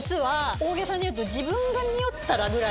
大げさに言うと。